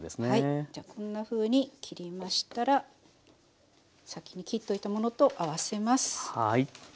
じゃあこんなふうに切りましたら先に切っておいたものと合わせます。